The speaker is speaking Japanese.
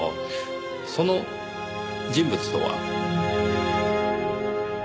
その人物とは。